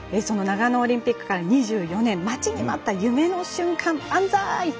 長野オリンピックから２４年、待ちに待った夢の瞬間、万歳！